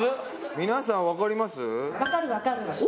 皆さんわかります？